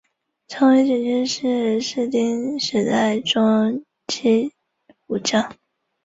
长尾景信是室町时代中期武将。